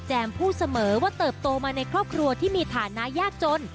พูดเสมอว่าเติบโตมาในครอบครัวที่มีฐานะยากจน